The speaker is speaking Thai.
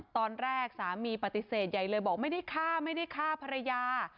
ตอนแรกสามีปฏิเสธใหญ่เลยบอกไม่ได้ฆ่าไม่ได้ฆ่าภรรยา